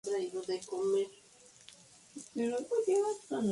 Eso sucede, en ciertos campos semánticos muy concretos y por razones culturales.